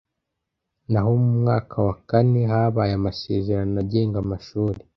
naho mu mwaka wa kanehabaye amasezerano agenga amashuri